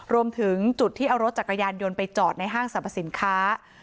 รวมถึงจุดที่เอารถจักรยานยนต์ไปจอดในห้างสรรพสินค้า